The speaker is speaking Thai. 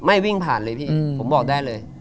วิ่งผ่านเลยพี่ผมบอกได้เลย